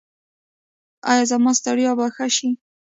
ایا زما ستړیا به ښه شي؟